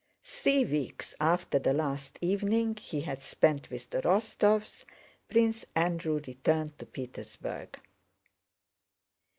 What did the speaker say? Three weeks after the last evening he had spent with the Rostóvs, Prince Andrew returned to Petersburg.